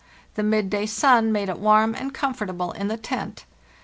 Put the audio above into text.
The midday sun made it warm and comfortable in the tent.